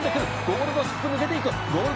ゴールドシップ抜けていく」